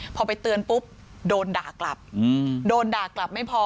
พอไปเตือนปุ๊บโดนด่ากลับโดนด่ากลับไม่พอ